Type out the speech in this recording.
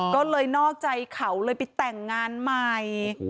ก็เลยนอกใจเขาเลยไปแต่งงานใหม่